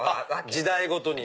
時代ごとに。